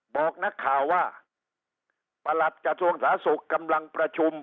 บอกนักข่าวว่าประหลัดกระทรวงสาธารณสุขกำลังประชุม